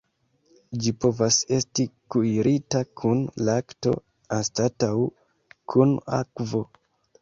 Ĝi povas esti kuirita kun lakto anstataŭ kun akvo.